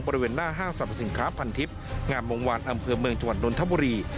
บริเวณหน้าห้างสรรพสินค้าพันทิพย์งามวงวานอำเภอเมืองจังหวัดนนทบุรี